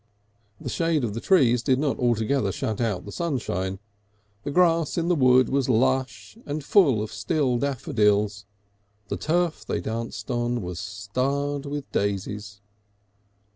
The shade of the trees did not altogether shut out the sunshine, the grass in the wood was lush and full of still daffodils, the turf they danced on was starred with daisies.